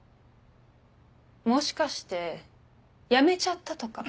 もしかして辞めちゃったとか？